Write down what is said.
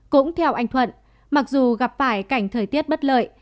cũng theo anh thuận mặc dù gặp phải cảnh thời tiết bất lợi